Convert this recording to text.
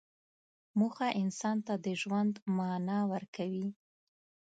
موخه انسان ته د ژوند معنی ورکوي.